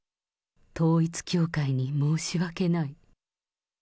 統一教会に申し訳ない。